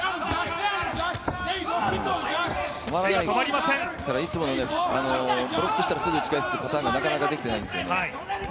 いつものブロックしたらすぐに打ち返すパターンがなかなかできていないんですね。